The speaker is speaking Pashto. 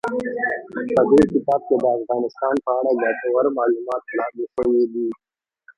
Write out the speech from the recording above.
په دې کتاب کې د افغانستان په اړه ګټور معلومات وړاندې شوي دي.